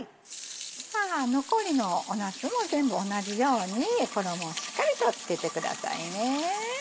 さぁ残りのなすも全部同じように衣をしっかりと付けてくださいね。